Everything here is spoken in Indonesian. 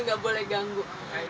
nggak boleh ganggu